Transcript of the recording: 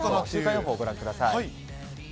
週間予報、ご覧ください。